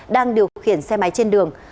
đang điều khiển xe máy trên đường